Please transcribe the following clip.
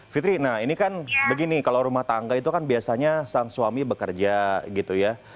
fitri nah ini kan begini kalau rumah tangga itu kan biasanya sang suami bekerja gitu ya